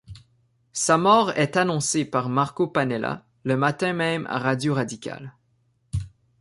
Sa mort est annoncée par Marco Pannella le matin même à Radio Radicale.